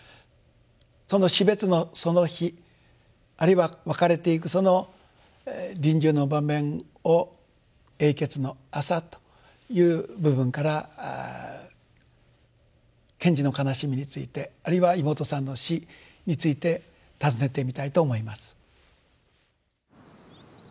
その死別のその日あるいは別れていくその臨終の場面を「永訣の朝」という部分から賢治の悲しみについてあるいは妹さんの死についてたずねてみたいと思います。